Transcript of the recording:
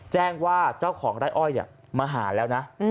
แจ้งว่าเจ้าของไร่อ้อยมาหาแล้วนะ